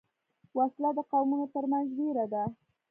وسله د قومونو تر منځ وېره ده